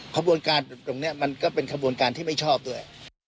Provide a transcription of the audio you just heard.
ขบวนการตรงนี้มันก็เป็นขบวนการที่ไม่ชอบด้วย